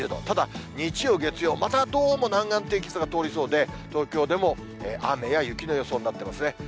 ただ日曜、月曜、またどうも南岸低気圧が通りそうで、東京でも雨や雪の予想になってますね。